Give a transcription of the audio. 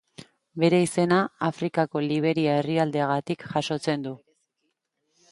Bere izena Afrikako Liberia herrialdeagatik jasotzen du.